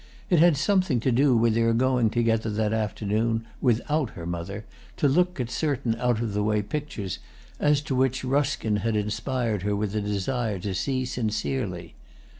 It had something to do with their going together that afternoon, without her mother, to look at certain out of the way pictures as to which Ruskin had inspired her with a desire to see sincerely.